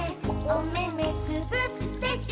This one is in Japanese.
「おめめつぶって」